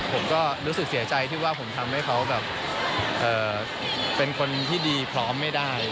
ผมก็รู้สึกเสียใจที่ว่าผมทำให้เขาแบบเป็นคนที่ดีพร้อมไม่ได้